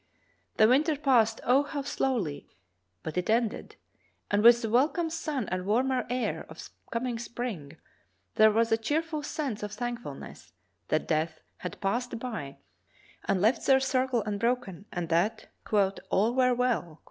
The winter passed, oh! how slowly, but it ended, and with the wel come sun and warmer air of coming spring there was a cheerful sense of thankfulness that death had passed by and left their circle unbroken and that "all were well."